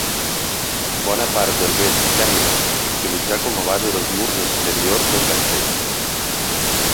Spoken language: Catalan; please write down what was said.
Bona part del vell tèmenos s’utilitzà com a base dels murs exteriors del castell.